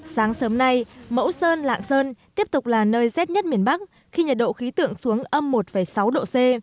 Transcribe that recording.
sáng sớm nay mẫu sơn lạng sơn tiếp tục là nơi rét nhất miền bắc khi nhiệt độ khí tượng xuống âm một sáu độ c